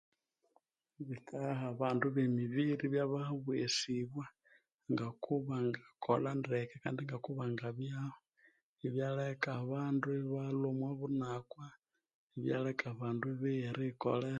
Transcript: Bikaha abandu bemibiri ibyabaha obweghesibwa ngokubangakolha ndeki Kandi ngokubangabyaho ibyaleka abandu ibalhwa mobunakwa ibyaleka abandu ibigha irighikolera